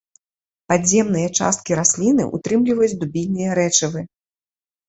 Падземныя часткі расліны ўтрымліваюць дубільныя рэчывы.